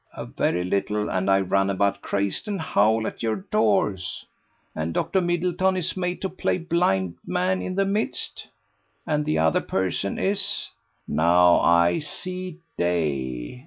A very little, and I run about crazed and howl at your doors. And Dr. Middleton is made to play blind man in the midst? And the other person is now I see day!